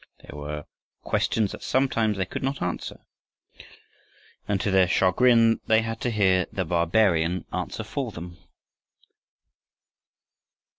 They were questions that sometimes they could not answer, and to their chagrin they had to hear "the barbarian" answer for them.